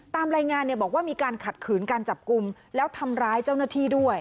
ตามรายงานเนี่ยบอกว่ามีการขัดขืนการจับกลุ่มแล้วทำร้ายเจ้าหน้าที่ด้วย